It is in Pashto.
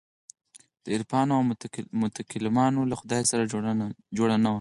د عارفانو او متکلمانو له خدای سره جوړ نه وو.